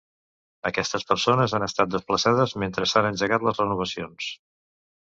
Aquestes persones han estat desplaçades mentre s'han engegat les renovacions.